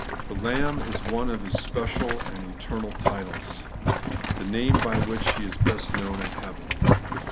The Lamb is one of His special and eternal titles ; the name by which He is best known in heaven.